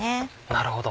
なるほど。